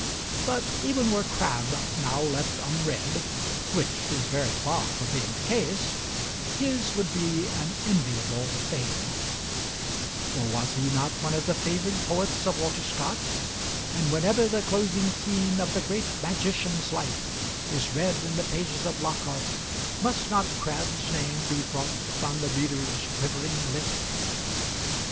But even were Crabbe now left unread, which is very far from being the case, his would be an enviable fame for was he not one of the favored poets of Walter Scott, and whenever the closing scene of the great magician's life is read in the pages of Lockhart, must not Crabbe's name be brought upon the reader's quivering lip?